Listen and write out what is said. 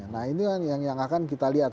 nah ini yang akan kita lihat